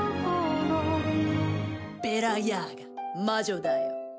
ベラ・ヤーガ魔女だよ。